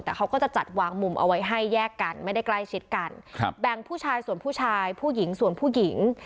แต่เขาก็จะจัดวางมุมเอาไว้ให้แยกกันไม่ได้ใกล้ชิดกันครับแบ่งผู้ชายส่วนผู้ชายผู้หญิงส่วนผู้หญิง